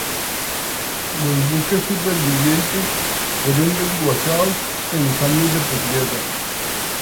Los buques supervivientes, fueron desguazados en los años de posguerra.